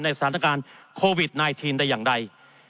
สถานการณ์โควิด๑๙ได้อย่างใด